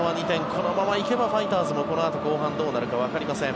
このまま行けばファイターズもこのあと後半どうなるかわかりません。